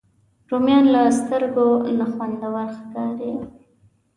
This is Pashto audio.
رومیان له سترګو نه خوندور ښکاري